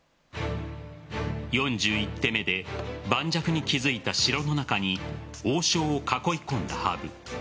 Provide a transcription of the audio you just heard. ４１手目で盤石に築いた城の中に王将を囲い込んだ羽生。